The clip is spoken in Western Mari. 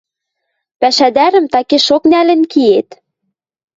Пӓшӓдӓрӹм такешок нӓлӹн киэт!